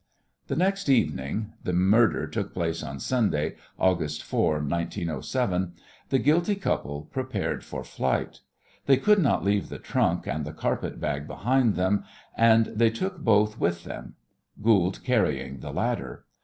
The next evening the murder took place on Sunday, August 4, 1907 the guilty couple prepared for flight. They could not leave the trunk and the carpet bag behind them, and they took both with them, Goold carrying the latter.